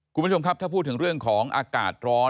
คุณผู้ชมครับถ้าพูดถึงเรื่องของอากาศร้อน